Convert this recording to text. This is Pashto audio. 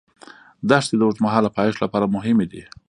دښتې د اوږدمهاله پایښت لپاره مهمې دي.